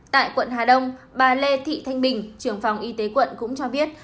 tại quận hà đông bà lê thị thanh bình trưởng phòng y tế quận cũng cho biết